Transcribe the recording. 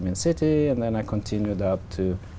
trong trường hợp người